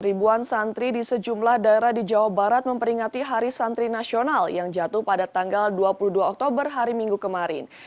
ribuan santri di sejumlah daerah di jawa barat memperingati hari santri nasional yang jatuh pada tanggal dua puluh dua oktober hari minggu kemarin